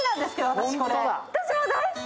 私も大好き。